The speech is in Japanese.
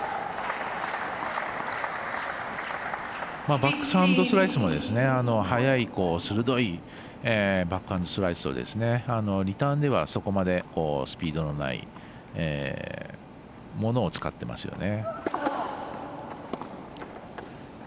バックハンドスライスも速い鋭いバックハンドスライスをリターンではそこまでスピードのないものを使ってますよね。